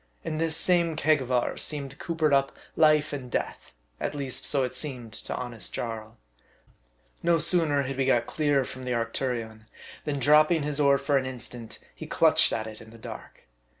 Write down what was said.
In this same keg of ours seemed coopered up life and death, at least so seemed it to honest Jarl. No sooner had we got clear from the Arctu rion, than dropping his oar for an instant, he clutched at it in the dark.